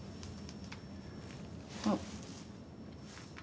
あっ。